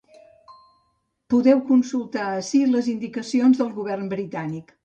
Podeu consultar ací les indicacions del govern britànic.